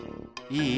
「いい？